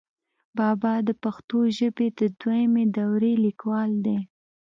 بابا دَپښتو ژبې دَدويمي دورې ليکوال دی،